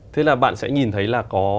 thế là bạn sẽ nhìn thấy là có